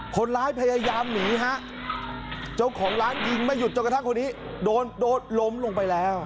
คนร้ายพยายามหนีฮะเจ้าของร้านยิงไม่หยุดจนกระทั่งคนนี้โดนโดนล้มลงไปแล้ว